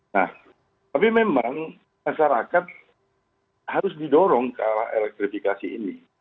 nah tapi memang masyarakat harus didorong ke arah elektrifikasi ini